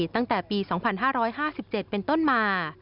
ตั้งแต่ปี๒๕๕๗เป็นต้นมา